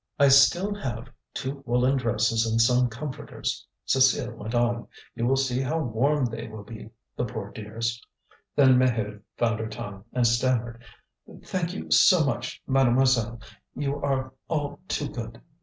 "I still have two woollen dresses and some comforters," Cécile went on; "you will see how warm they will be, the poor dears!" Then Maheude found her tongue, and stammered: "Thank you so much, mademoiselle. You are all too good."